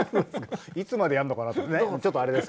いつまでやるのかなと。